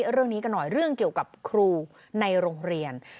เรื่องนี้กันหน่อยเรื่องเกี่ยวกับครูในโรงเรียน